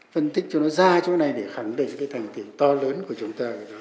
phân tích cho nó ra chỗ này để khẳng định thành tiêu to lớn của chúng ta